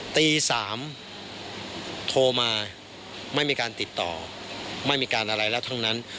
ตี๓โทรมาไม่มีการติดต่อไม่มีการอะไรแล้วทั้งนั้น